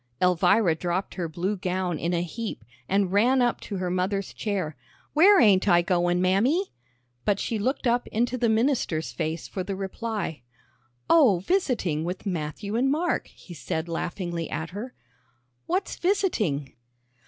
Elvira dropped her blue gown in a heap, and ran up to her mother's chair. "Where ain't I goin', Mammy?" but she looked up into the minister's face for the reply. "Oh, visiting with Matthew and Mark," he said laughingly at her. "What's visiting?"